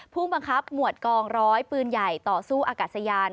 ผู้บังคับหมวดกองร้อยปืนใหญ่ต่อสู้อากาศยาน